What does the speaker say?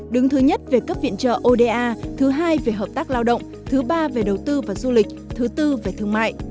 đứng thứ nhất về cấp viện trợ oda thứ hai về hợp tác lao động thứ ba về đầu tư và du lịch thứ tư về thương mại